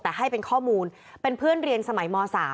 แต่ให้เป็นข้อมูลเป็นเพื่อนเรียนสมัยม๓